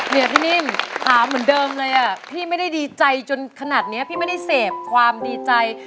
เนี่ยพี่นิ่มถามเหมือนเดิมเลยอ่ะพี่ไม่ได้ดีใจจนขนาดนี้พี่ไม่ได้เสพความดีใจ